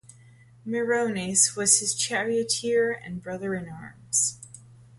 Meriones was his charioteer and brother-in-arms.